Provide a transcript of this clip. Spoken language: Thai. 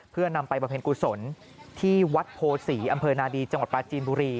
เพื่อนำไปบำเพ็ญกุศลที่วัดโพศีอำเภอนาดีจังหวัดปลาจีนบุรี